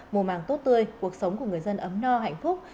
mùa màng tốt tươi cuộc sống của người dân ấm no hạnh phúc